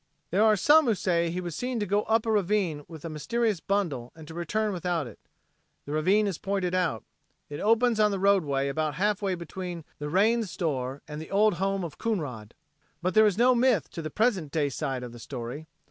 There are some who say he was seen to go up a ravine with a mysterious bundle and to return without it. The ravine is pointed out. It opens on the roadway about halfway between the Rains' store and the old home of Coonrod. But there is no myth to the present day side of the story.